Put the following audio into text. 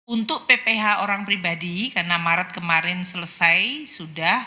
untuk pph orang pribadi karena maret kemarin selesai sudah